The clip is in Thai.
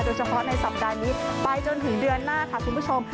โดยเฉพาะในสัปดาห์นี้ไปจนถึงเดือนหน้าค่ะคุณผู้ชม